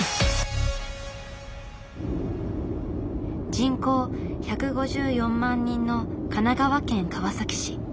人口１５４万人の神奈川県川崎市。